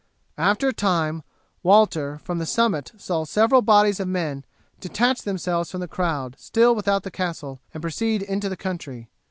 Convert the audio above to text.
After a time Walter from the summit saw several bodies of men detach themselves from the crowd still without the castle and proceed into the country.